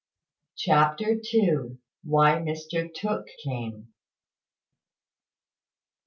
CHAPTER TWO. WHY MR TOOKE CAME.